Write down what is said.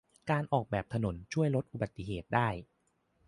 การออกแบบถนนช่วยลดอุบัติเหตุได้